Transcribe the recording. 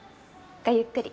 ごゆっくり。